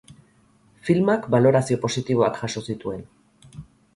Filmak balorazio positiboak jaso zituen.